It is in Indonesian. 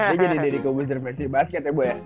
ini jadi dedikubus derpesi basket ya bu ya